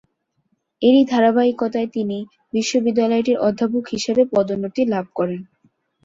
এরই ধারাবাহিকতায় তিনি বিশ্ববিদ্যালয়টির অধ্যাপক হিসেবে পদোন্নতি লাভ করেন।